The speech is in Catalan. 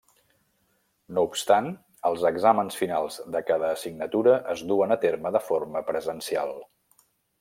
No obstant els exàmens finals de cada assignatura es duen a terme de forma presencial.